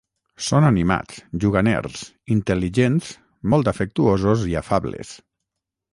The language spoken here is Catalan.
Són animats, juganers, intel·ligents, molt afectuosos i afables.